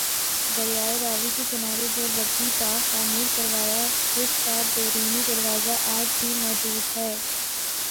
دریائے راوی کے کنارے چوبرجی باغ تعمیر کروایا جس کا بیرونی دروازہ آج بھی موجود ہے